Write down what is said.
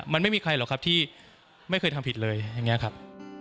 มันไม่มีใครหรอกครับที่ไม่เคยทำผิดเลยอย่างนี้ครับ